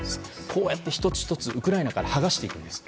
こうやって１つ１つウクライナから剥がしていくんです。